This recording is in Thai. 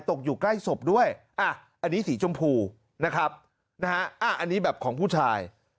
ตกอยู่ใกล้ศพด้วยอันนี้สีชมพูนะครับนะฮะอันนี้แบบของผู้ชาย